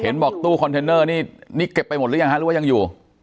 เห็นบอกตู้คอนเทนเนอร์นี่เก็บไปหมดหรือยังครับหรือยังอยู่